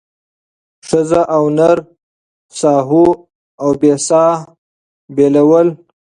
ښځه او نر ساهو او بې ساه بېلول